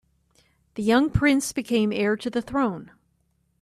The young prince became heir to the throne.